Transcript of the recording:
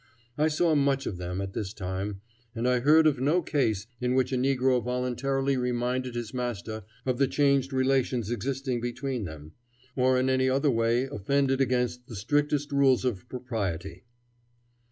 I saw much of them at this time, and I heard of no case in which a negro voluntarily reminded his master of the changed relations existing between them, or in any other way offended against the strictest rules of propriety.